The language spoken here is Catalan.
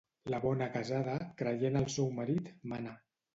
La bona casada, creient el seu marit, mana.